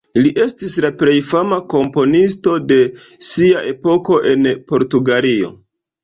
Li estis la plej fama komponisto de sia epoko en Portugalio.